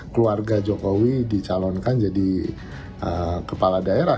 keluarga jokowi dicalonkan jadi kepala daerah